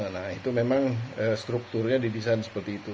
nah itu memang strukturnya didesain seperti itu